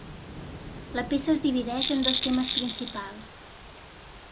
La peça es divideix en dos temes principals.